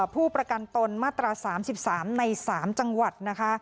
ผู้ประกันตนมาตรา๓๓ใน๓จังหวัดนะคะ